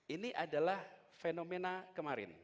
ini adalah fenomena kemarin